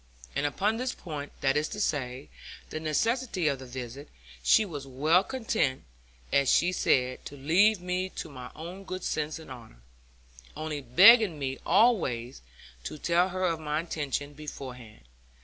And upon this point, that is to say, the necessity of the visit, she was well content, as she said, to leave me to my own good sense and honour; only begging me always to tell her of my intention beforehand.